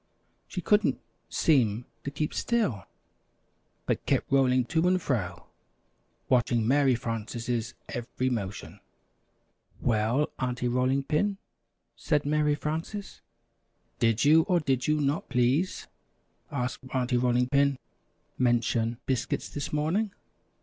She couldn't seem to keep still, but kept rolling to and fro, watching Mary Frances' every motion. "Well, Aunty Rolling Pin?" said Mary Frances. "Did you, or did you not, please," asked Aunty Rolling Pin, "mention 'Biscuits' this morning?"